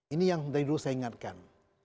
ini yang dari dulu saya ingatkan